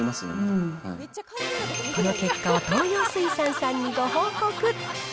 この結果を東洋水産さんにご報告。